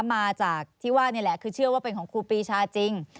มาจากที่ว่านี่แหละคือเชื่อว่าเป็นของครูปีชาจริง